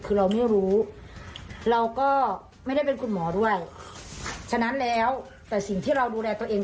คือเราไม่รู้เราก็ไม่ได้เป็นคุณหมอด้วยฉะนั้นแล้วแต่สิ่งที่เราดูแลตัวเอง